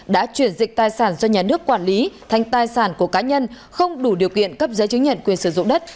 đã chuyển dịch tài sản do nhà nước quản lý thành tài sản của cá nhân không đủ điều kiện cấp giấy chứng nhận quyền sử dụng đất